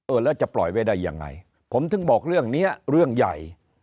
แล้วจะปล่อยไว้ได้ยังไงผมถึงบอกเรื่องนี้เรื่องใหญ่